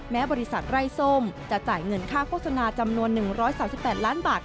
บริษัทไร้ส้มจะจ่ายเงินค่าโฆษณาจำนวน๑๓๘ล้านบาท